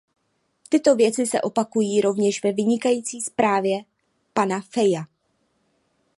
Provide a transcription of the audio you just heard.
Tyto věci se opakují rovněž ve vynikající zprávě pana Feia.